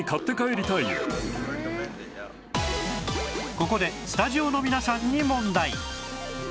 ここでスタジオの皆さんに問題